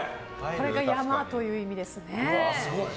これが山という意味ですね。